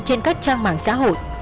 trên các trang mạng xã hội